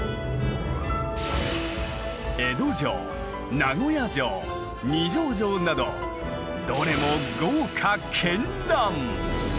江戸城名古屋城二条城などどれも豪華けんらん。